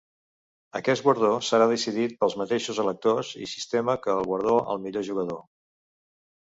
Aquest guardó serà decidit pels mateixos electors i sistema que el guardó al millor jugador.